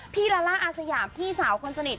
ลาล่าอาสยามพี่สาวคนสนิท